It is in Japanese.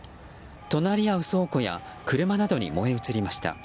隣り合う倉庫や車などに燃え移りました。